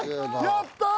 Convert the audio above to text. やったー！